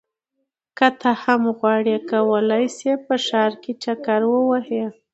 که ته هم غواړې کولی شې په ښار کې چکر ووهې.